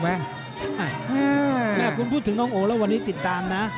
แม่คุณพูดถึงน้องโอแล้ววันนี้ติดตามนะ